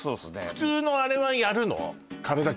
普通のあれはやるの？